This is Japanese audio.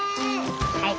はい。